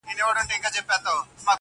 نشه لري مستي لري په عیبو کي یې نه یم-